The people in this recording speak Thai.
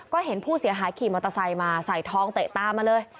ก็เห็นผู้เสียหายขี่มอเตอร์ไซค์มาใส่ทองเตะตามาเลย